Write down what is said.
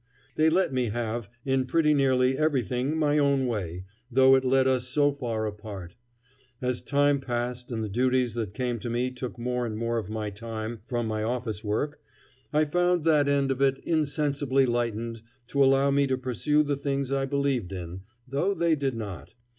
They let me have in pretty nearly everything my own way, though it led us so far apart. As time passed and the duties that came to me took more and more of my time from my office work, I found that end of it insensibly lightened to allow me to pursue the things I believed in, though they did not.